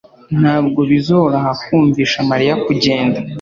Ntabwo bizoroha kumvisha Mariya kugenda